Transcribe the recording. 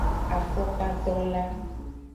Afokpatonla.